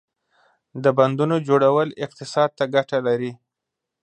• د بندونو جوړول اقتصاد ته ګټه لري.